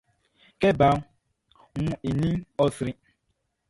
Kɛ baʼn wun i ninʼn, ɔ sri.